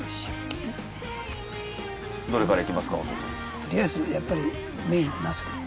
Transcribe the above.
とりあえずやっぱりメインはナスで。